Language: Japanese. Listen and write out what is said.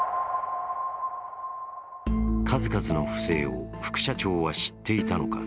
数々の不正を副社長は知っていたのか。